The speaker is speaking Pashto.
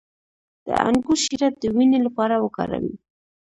د انګور شیره د وینې لپاره وکاروئ